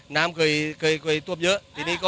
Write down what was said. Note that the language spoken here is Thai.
น้ำเคยท่วมเยอะ